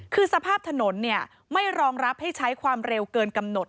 คือสภาพถนนไม่รองรับให้ใช้ความเร็วเกินกำหนด